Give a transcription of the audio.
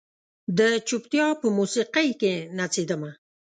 د چوپتیا په موسیقۍ کې نڅیدمه